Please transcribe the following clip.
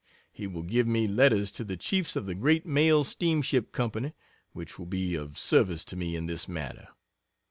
He will give me letters to the chiefs of the great Mail Steamship Company which will be of service to me in this matter.